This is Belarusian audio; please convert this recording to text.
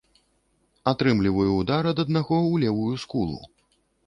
Атрымліваю ўдар ад аднаго ў левую скулу.